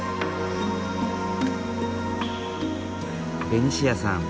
ベニシアさん